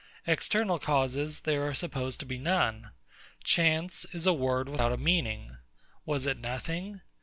External causes, there are supposed to be none. Chance is a word without a meaning. Was it Nothing?